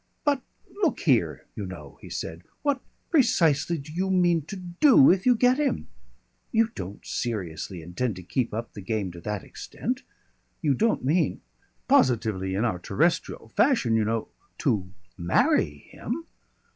"But look here, you know," he said. "What precisely do you mean to do if you get him? You don't seriously intend to keep up the game to that extent. You don't mean positively, in our terrestrial fashion, you know to marry him?"